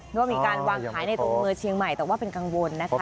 ว่ามีการวางขายในตรงเมืองเชียงใหม่แต่ว่าเป็นกังวลนะคะ